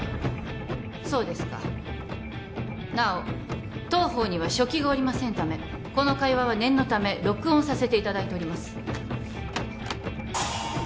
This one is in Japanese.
そうですかなお当方には書記がおりませんためこの会話は念のため録音させていただいております